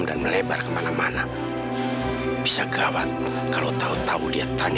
dan kamu tuh bukan suami saya